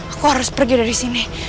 aku harus pergi dari sini